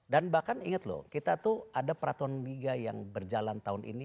dan bahkan ingat loh kita tuh ada peraturan liga yang berjalan tahun ini